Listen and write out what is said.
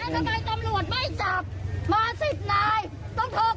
แล้วทำไมตำรวจไม่จับ